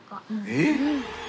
えっ！？